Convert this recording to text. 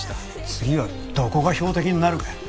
次はどこが標的になるかやな。